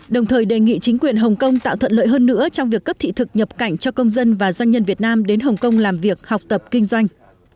đồng thời đề nghị chính quyền hồng kông tạo thuận lợi hơn nữa trong việc cấp thị thực nhập cảnh cho công dân và doanh nhân việt nam đến hồng kông làm việc học tập kinh doanh